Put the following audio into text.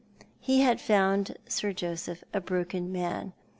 Ho found Sir Joseph a broken man.